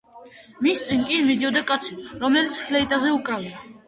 მის წინ კი მიდიოდა კაცი რომელიც ფლეიტაზე უკრავდა.